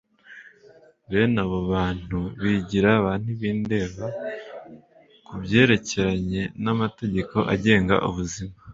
bene abo bantu bigira ba ntibindeba ku byerekeranye n'amategeko agenga ubuzima